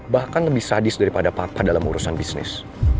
bahkan lebih sadis daripada papa dalam urusan bisnis